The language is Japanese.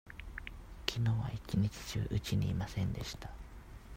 きのうは一日中うちにいませんでした。